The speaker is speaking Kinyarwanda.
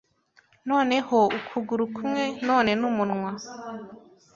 Noneho ukuguru kumwe none numunwa